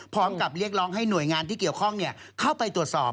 พร้อมกับเรียกร้องให้หน่วยงานที่เกี่ยวข้องเข้าไปตรวจสอบ